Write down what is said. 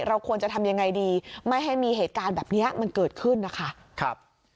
เราควรจะทำยังไงดีไม่ให้มีเหตุการณ์แบบนี้มันเกิดขึ้นนะคะ